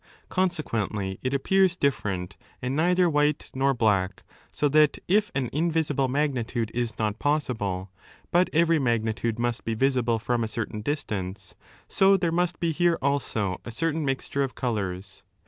Consequently, it appears different, and neither white nor black. So 17 that if an invisible magnitude is uot possible, but every , magnitude must be viaible from a certain distance, bo there must be here also a certain mixture of colours.